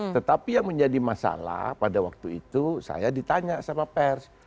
tetapi yang menjadi masalah pada waktu itu saya ditanya sama pers